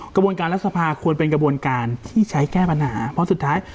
กระบวนการรัฐสภาควรเป็นกระบวนการที่ใช้แก้ปัญหาเพราะสุดท้าย